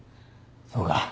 そうか。